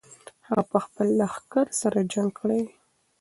هغه به خپل لښکر سره جنګ کړی وي.